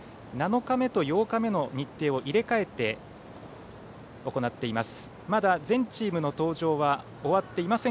７日目と８日目の日程を入れ替えて行っています。